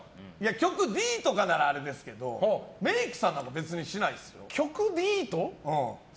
局Ｄとかならあれですけどメイクさんは別にしないですよ。